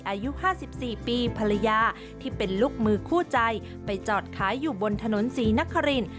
อายุ๕๔ปีภรรยาที่เป็นลูกมือคู่ใจไปจอดขายอยู่บนถนนศรีนคริน